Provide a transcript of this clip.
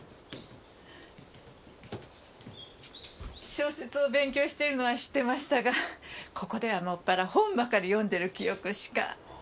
小説を勉強してるのは知ってましたがここでは専ら本ばかり読んでる記憶しか。